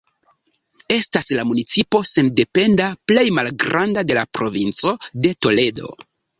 Estas la municipo sendependa plej malgranda de la provinco de Toledo.